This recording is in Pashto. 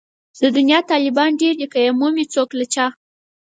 د دنيا طالبان ډېر دي که يې مومي څوک له چا